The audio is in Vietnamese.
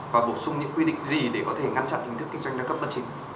và bổ sung những quy định gì để có thể ngăn chặn hình thức kinh doanh đa cấp bất chính